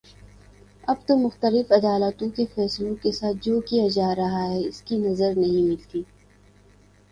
اب تو مختلف عدالتوں کے فیصلوں کے ساتھ جو کیا جا رہا ہے اس کی نظیر نہیں ملتی